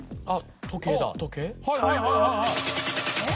あっ時計だ時計？